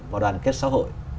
và đoàn kết xã hội